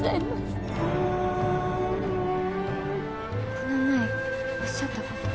この前おっしゃったこと。